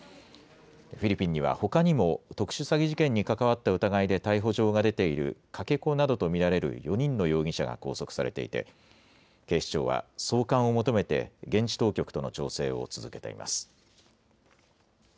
フィリピンには、ほかにも特殊詐欺事件に関わった疑いで逮捕状が出ているかけ子などと見られる４人の容疑者が拘束されていて、警視庁は、送還を求めて現地当局との調整を続けています。